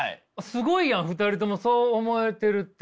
すごいやん２人ともそう思えてるって。